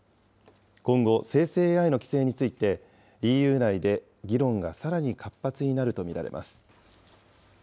今後、生成ＡＩの規制について、ＥＵ内で議論がさらに活発になると見られます。